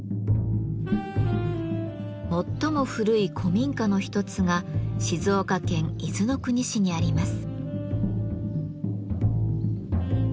最も古い古民家の一つが静岡県伊豆の国市にあります。